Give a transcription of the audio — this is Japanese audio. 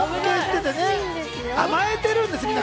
甘えてるんです、みんな。